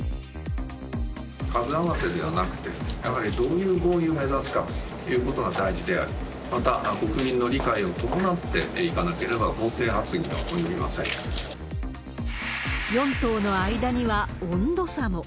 数合わせではなくて、やはりどういう合意を目指すかっていうことが大事であり、また国民の理解を伴っていかなければ、４党の間には温度差も。